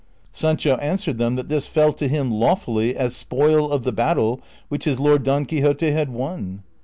Saneho answered them that this fell to him lawfully as spoil of the battle which his lord Don Quixote had won.